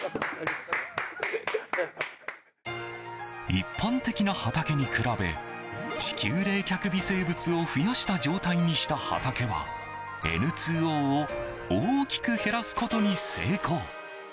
一般的な畑に比べ地球冷却微生物を増やした状態にした畑はＮ２Ｏを大きく減らすことに成功。